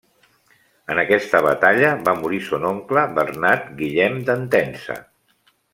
En aquesta batalla, va morir son oncle Bernat Guillem d'Entença.